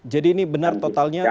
jadi ini benar totalnya